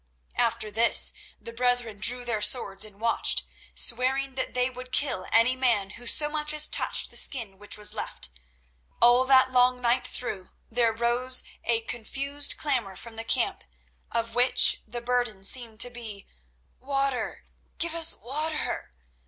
After this the brethren drew their swords and watched, swearing that they would kill any man who so much as touched the skin which was left. All that long night through there arose a confused clamour from the camp, of which the burden seemed to be, "Water! Give us water!"